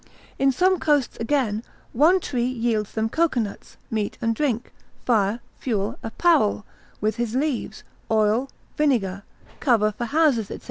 In some coasts, again, one tree yields them cocoanuts, meat and drink, fire, fuel, apparel; with his leaves, oil, vinegar, cover for houses, &c.